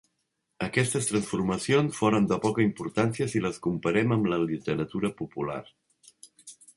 Aquestes transformacions foren de poca importància si les comparem amb la literatura popular.